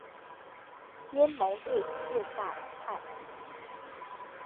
阴谋对付六大门派。